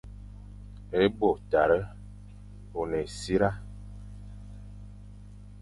E bo tare on ésitar.